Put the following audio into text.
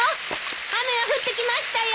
雨が降ってきましたよ！